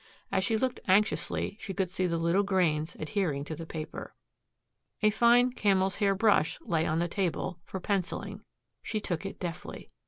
As she looked anxiously she could see the little grains adhering to the paper. A fine camel's hair brush lay on the table, for penciling. She took it deftly.